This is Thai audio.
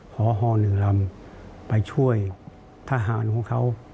ขอฮหนึ่งลำไปช่วยทหารของเขา